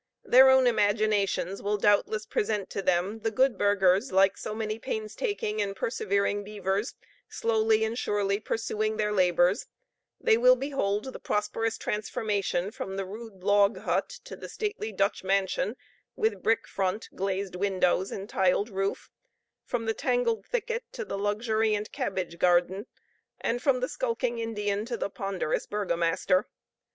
Their own imaginations will doubtless present to them the good burghers, like so many painstaking and persevering beavers, slowly and surely pursuing their labors they will behold the prosperous transformation from the rude log hut to the stately Dutch mansion, with brick front, glazed windows, and tiled roof; from the tangled thicket to the luxuriant cabbage garden; and from the skulking Indian to the ponderous burgomaster.